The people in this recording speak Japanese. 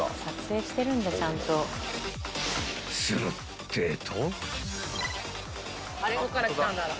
［するってぇと］